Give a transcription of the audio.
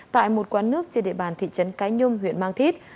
tại một quán nước trên địa bàn thị trấn cái nhung huyện mang thít